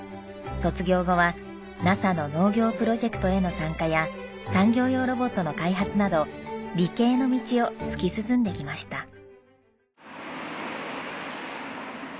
卒業後はＮＡＳＡの農業プロジェクトへの参加や産業用ロボットの開発など理系の道を突き進んできました。